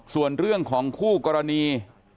ส่วนเรื่องของคู่กรณี